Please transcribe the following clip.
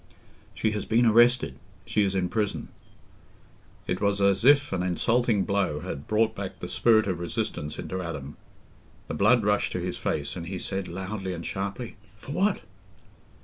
"She has been arrested... she is in prison." It was as if an insulting blow had brought back the spirit of resistance into Adam. The blood rushed to his face, and he said, loudly and sharply, "For what?"